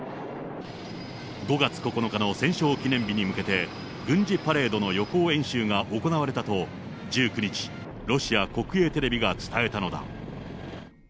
５月９日の戦勝記念日に向けて、軍事パレードの予行演習が行われたと、１９日、ロシア国営テレビが伝えたのだ。